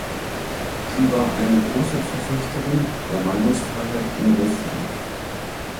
Sie war eine große Verfechterin der Meinungsfreiheit in Russland.